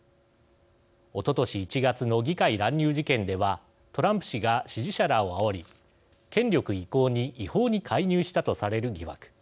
おととし１月の議会乱入事件ではトランプ氏が支持者らをあおり権力移行に違法に介入したとされる疑惑。